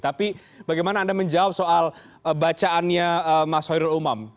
tapi bagaimana anda menjawab soal bacaannya mas hoirul umam